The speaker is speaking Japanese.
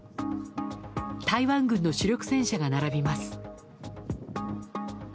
台湾軍の主力戦車が並びます。